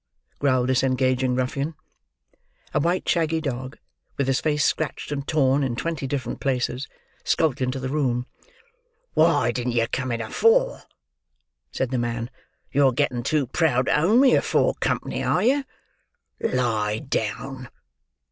growled this engaging ruffian. A white shaggy dog, with his face scratched and torn in twenty different places, skulked into the room. "Why didn't you come in afore?" said the man. "You're getting too proud to own me afore company, are you? Lie down!"